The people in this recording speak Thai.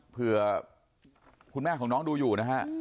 เผื่อคุณแม่ของน้องดูอยู่นะฮะ